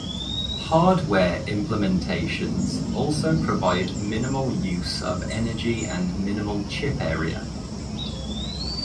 Hardware implementations also provide minimal use of energy and minimal chip area.